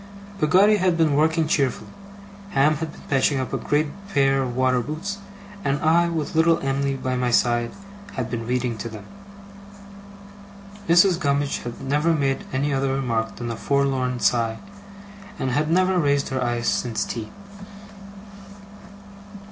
Peggotty had been working cheerfully. Ham had been patching up a great pair of waterboots; and I, with little Em'ly by my side, had been reading to them. Mrs. Gummidge had never made any other remark than a forlorn sigh, and had never raised her eyes since tea.